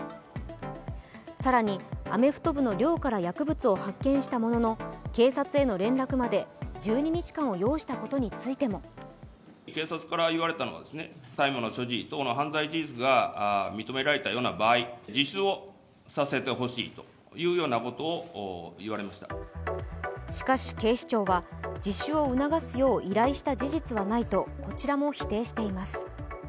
更にアメフト部の寮から薬物を発見したものの警察への連絡まで１２日間を要したことについてもしかし、警視庁は自主を促すよう依頼した事実はないとこちらも否定しています。